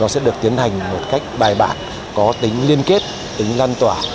sẽ được tiến hành một cách bài bản có tính liên kết tính lan tỏa